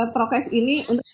prokes ini untuk